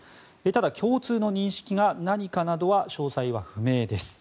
ただ、共通の認識が何かなど詳細は不明です。